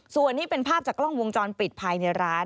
ส่วนนี้เป็นภาพจากกล้องวงจรปิดภายในร้าน